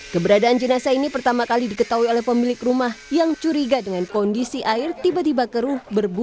keberadaan jenazah ini pertama kali diketahui oleh pemilik rumah yang curiga dengan kondisi air tiba tiba keruh